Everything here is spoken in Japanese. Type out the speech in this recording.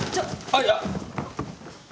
あっいや。